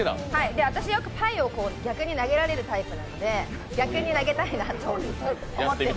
私、よくパイを逆に投げられるタイプなので逆に投げたいなと思って。